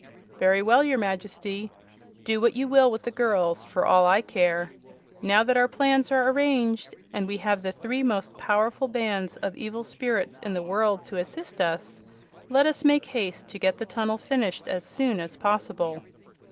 "Very well, your Majesty. Do what you will with the girls for all I care. Now that our plans are arranged, and we have the three most powerful bands of evil spirits in the world to assist us, let us make haste to get the tunnel finished as soon as possible."